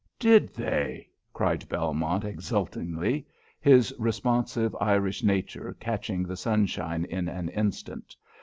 "Did they?" cried Belmont, exultantly, his responsive Irish nature catching the sunshine in an instant.